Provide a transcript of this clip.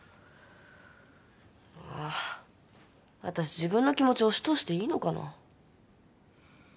私自分の気持ち押し通していいのかな？